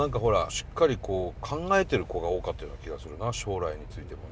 しっかりこう考えてる子が多かったような気がするな将来についてもね。